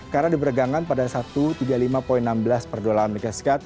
karena diberagangan pada satu tiga puluh lima enam belas per dolar as